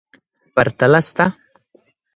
پرتله سته.